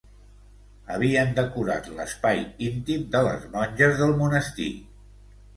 Havien decorat l’espai íntim de les monges del monestir.